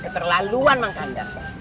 keterlaluan bang kandar